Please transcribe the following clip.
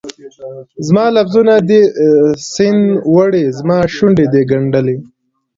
زما لفظونه دي سیند وړي، زماشونډې دي ګنډلي